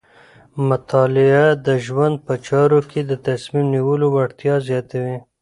مطالعه د ژوند په چارو کې د تصمیم نیولو وړتیا زیاتوي.